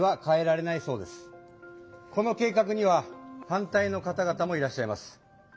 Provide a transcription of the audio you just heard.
この計画には反対のかたがたもいらっしゃいます。